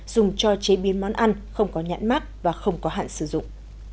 dùng cho chế biến món ăn không có nhãn mát và không có hạn sử dụng